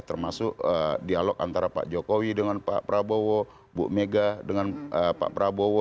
termasuk dialog antara pak jokowi dengan pak prabowo bu mega dengan pak prabowo